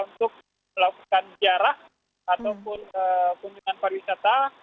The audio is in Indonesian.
untuk melakukan ziarah ataupun kunjungan pariwisata